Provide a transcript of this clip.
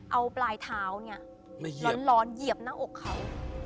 เอาปลายเท้าเนี่ยร้อนเหยียบหน้าอกเขา